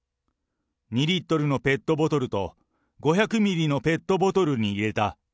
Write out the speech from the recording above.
２リットルのペットボトルと５００ミリのペットボトルに入れた。